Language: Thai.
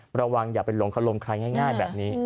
ระวังอย่าไปหลงขลมใครง่ายแบบนี้